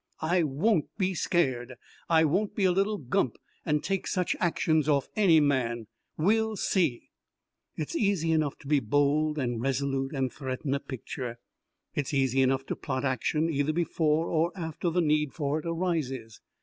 I won't be scared! I won't be a little gump and take such actions off any man. We'll see!" It is easy enough to be bold and resolute and threaten a picture. It is easy enough to plot action either before or after the need for it arises.